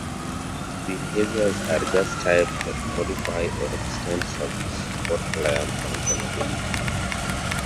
Behaviors are just types that modify or extend service or client functionality.